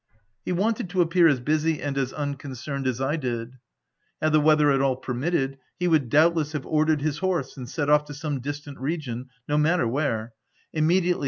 He wanted to appear as busy and as unconcerned as I did : had the weather at all permitted, he would doubtless have ordered his horse and set off to some distant region — no matter where —immediately OF WILDFELL HALL.